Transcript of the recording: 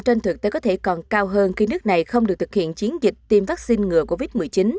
trên thực tế có thể còn cao hơn khi nước này không được thực hiện chiến dịch tiêm vaccine ngừa covid một mươi chín